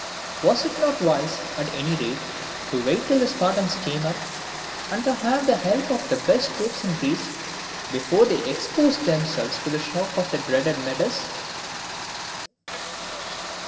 Was it not wise, at any rate, to wait till the Spartans came up, and to have the help of the best troops in Greece, before they exposed themselves to the shock of the dreaded Medes?